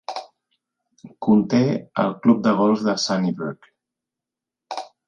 Conté el Club de Golf de Sunnybrook.